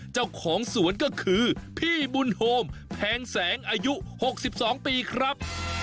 เจ้าของสวนก็คือพี่บุญโฮมแพงแสงอายุ๖๒ปีครับ